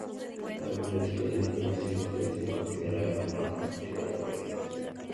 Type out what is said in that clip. La Biblioteca de la Universidad puede ser considerada como la más antigua del país.